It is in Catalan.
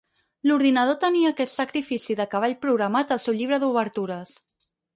L'ordinador tenia aquest sacrifici de cavall programat al seu llibre d'obertures.